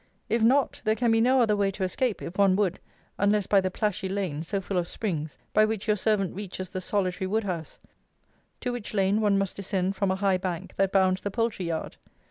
* If not, there can be no other way to escape (if one would) unless by the plashy lane, so full of springs, by which your servant reaches the solitary wood house; to which lane one must descend from a high bank, that bounds the poultry yard.